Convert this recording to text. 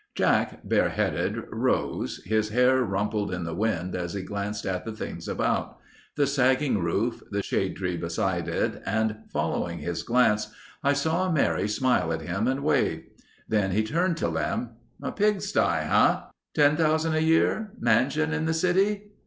Jack, bareheaded, rose, his hair rumpled in the wind as he glanced at the things about—the sagging roof, the shade tree beside it and following his glance I saw Mary smile at him and wave. Then he turned to Lem: "A pig sty, huh? Ten thousand a year. Mansion in the city."